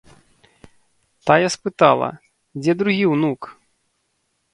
Тая спытала, дзе другі ўнук?